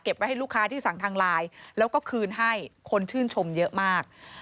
ไว้ให้ลูกค้าที่สั่งทางไลน์แล้วก็คืนให้คนชื่นชมเยอะมาก